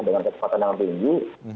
dengan kecepatan yang tinggi